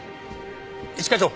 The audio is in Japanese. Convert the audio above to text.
一課長。